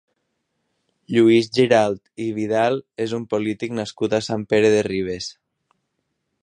Lluís Giralt i Vidal és un polític nascut a Sant Pere de Ribes.